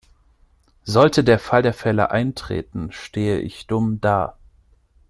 Sollte der Fall der Fälle eintreten, stehe ich dumm da.